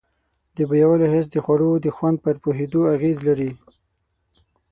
د بویولو حس د خوړو د خوند پر پوهېدو اغیز لري.